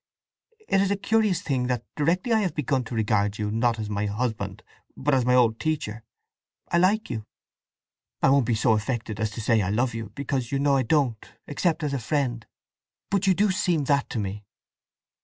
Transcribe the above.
It is a curious thing that directly I have begun to regard you as not my husband, but as my old teacher, I like you. I won't be so affected as to say I love you, because you know I don't, except as a friend. But you do seem that to me!"